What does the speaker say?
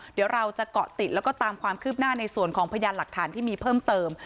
เดี๋ยวเราจะเกาะติดแล้วก็ตามความคืบหน้าในส่วนของพยานหลักฐานที่มีเพิ่มเติม